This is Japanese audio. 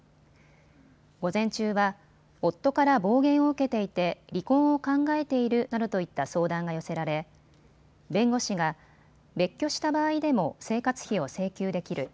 午前中は夫から暴言を受けていて離婚を考えているなどといった相談が寄せられ弁護士が、別居した場合でも生活費を請求できる。